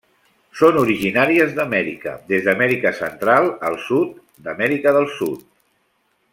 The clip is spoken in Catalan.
Són originàries d'Amèrica, des d'Amèrica central al sud d'Amèrica del Sud.